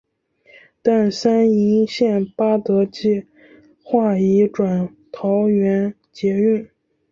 但三莺线八德计画移转桃园捷运。